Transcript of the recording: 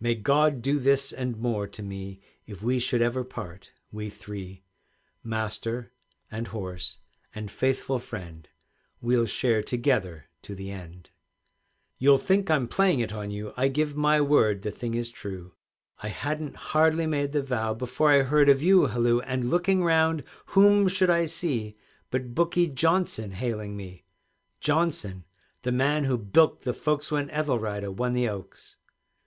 "May God do this and more to me If we should ever part, we three, Master and horse and faithful friend, We'll share together to the end!" You'll think I'm playing it on you, I give my word the thing is true; I hadn't hardly made the vow, Before I heard a view halloo. And, looking round, whom should I see, But Bookie Johnson hailing me; Johnson, the man who bilked the folks When Ethelrida won the Oaks.